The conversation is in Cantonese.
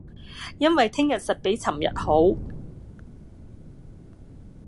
因為聼日實比尋日好